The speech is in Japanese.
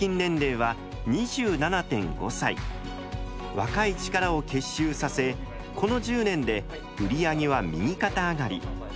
若い力を結集させこの１０年で売り上げは右肩上がり。